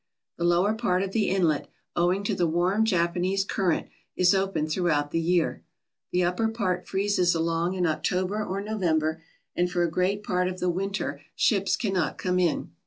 The lower part of the inlet, owing to the warm Japanese current, is open throughout the year. The upper part freezes along in October or November, and for a great part of the winter ships cannot come in.